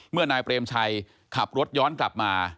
นายเปรมชัยขับรถย้อนกลับมา